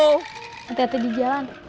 hati hati di jalan